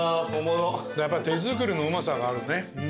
やっぱり手作りのうまさがあるね。